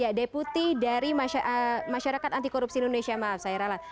ya deputi dari masyarakat anti korupsi indonesia maaf saya rala